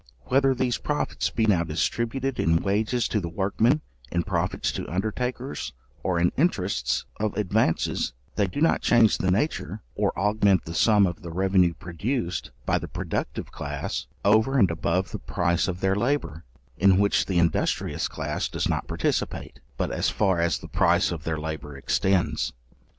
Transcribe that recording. Whether these profits be now distributed in wages to the workmen, in profits to undertakers, or in interests of advances, they do not change the nature, or augment the sum of the revenue produced by the productive class over and above the price of their labour, in which the industrious class does not participate, but as far as the price of their labour extends.